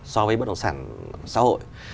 so với bất động sản xã hội